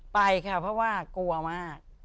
ไปค่ะเพราะว่ากลัวมาก